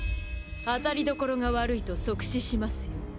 当たりどころが悪いと即死しますよ。